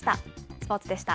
スポーツでした。